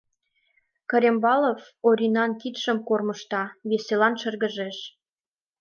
Корембалов Оринан кидшым кормыжта, веселан шыргыжеш.